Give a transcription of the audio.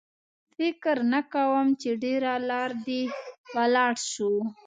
فکر نه کوم چې ډېره لار دې ولاړ شو.